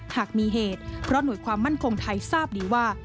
หากมีเหตุเพราะหน่วยความมั่นคงไทยทราบดีว่า